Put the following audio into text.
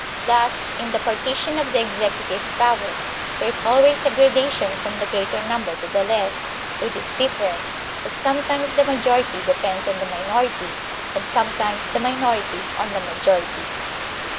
Thus, in the partition of the executive power, there is always a grada tion from the greater number to the less, with this dif ference, that sometimes the majority depends on the minority, and sometimes the minority on the majority.